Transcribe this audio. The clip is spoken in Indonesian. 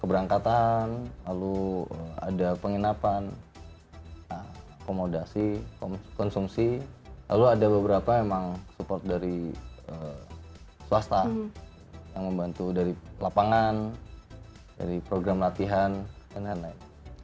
keberangkatan lalu ada penginapan akomodasi konsumsi lalu ada beberapa memang support dari swasta yang membantu dari lapangan dari program latihan dan lain lain